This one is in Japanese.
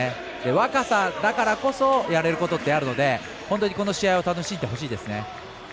若さだからこそやれることってあるので本当にこの試合を楽しんでほしいですね。